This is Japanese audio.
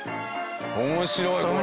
面白いこれ。